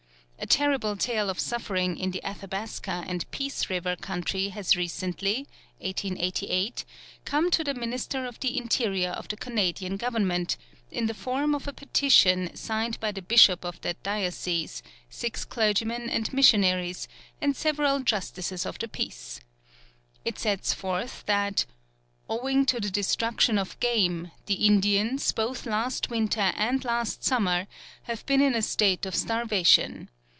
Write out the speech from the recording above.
A terrible tale of suffering in the Athabasca and Peace River country has recently (1888) come to the minister of the interior of the Canadian government, in the form of a petition signed by the bishop of that diocese, six clergymen and missionaries, and several justices of the peace. It sets forth that "owing to the destruction of game, the Indians, both last winter and last summer, have been in a state of starvation.